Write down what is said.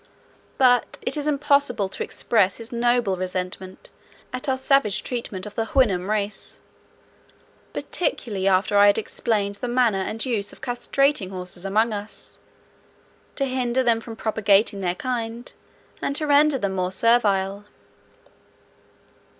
But it is impossible to express his noble resentment at our savage treatment of the Houyhnhnm race; particularly after I had explained the manner and use of castrating horses among us, to hinder them from propagating their kind, and to render them more servile.